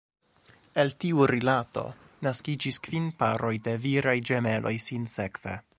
El tiu rilato naskiĝis kvin paroj da viraj ĝemeloj, sinsekve.